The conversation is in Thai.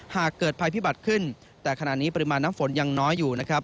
หากเกิดภัยพิบัติขึ้นแต่ขณะนี้ปริมาณน้ำฝนยังน้อยอยู่นะครับ